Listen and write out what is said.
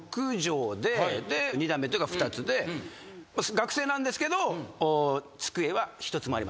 学生なんですけど。